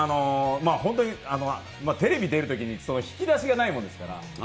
本当に、テレビ出るときに引き出しがないものですから。